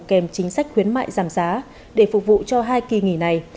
kèm chính sách khuyến mại giảm giá để phục vụ cho hai kỳ nghỉ này